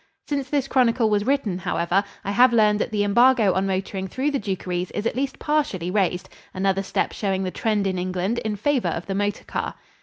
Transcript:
Since this chronicle was written, however, I have learned that the embargo on motoring through the Dukeries is at least partially raised another step showing the trend in England in favor of the motor car.